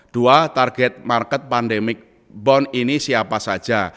dua target market pandemic bond ini siapa saja